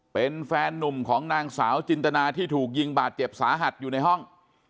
เป็นแฟนนุ่มของนางสาวจินตนาที่ถูกยิงบาดเจ็บสาหัสอยู่ในห้อง